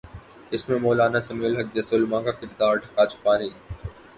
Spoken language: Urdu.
اس میں مولانا سمیع الحق جیسے علماء کا کردار ڈھکا چھپا نہیں۔